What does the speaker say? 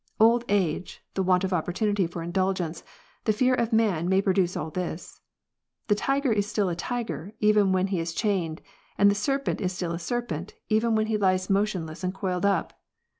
Old age, the want of opportunity for indulgence, the fear of man, may produce all this. The tiger is still a tiger, even when he is chained, and the serpent is still a serpent, even when he lies motionless and coiled up.